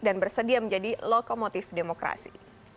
dan bersedia menjadi lokomotif demokrasi